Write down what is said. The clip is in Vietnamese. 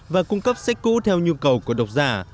và cung cấp sách cũ theo nhu cầu của độc giả